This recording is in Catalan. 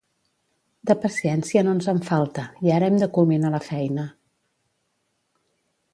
De paciència no ens en falta i ara hem de culminar la feina.